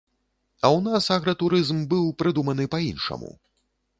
А ў нас агратурызм быў прыдуманы па іншаму.